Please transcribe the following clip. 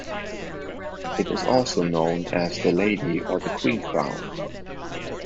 It is also known as The Lady or The Queen crown.